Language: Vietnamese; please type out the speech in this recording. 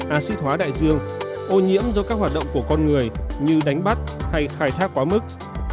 acid hóa đại dương ô nhiễm do các hoạt động của con người như đánh bắt hay khai thác quá mức